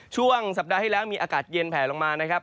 ช่วงสัปดาห์ที่แล้วมีอากาศเย็นแผลลงมานะครับ